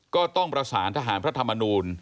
ก็ต้องประสานทหารพระธรรมนูล